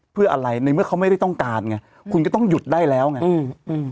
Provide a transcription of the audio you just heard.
เพื่ออะไรในเมื่อเขาไม่ได้ต้องการไงคุณก็ต้องหยุดได้แล้วไงอืมอืม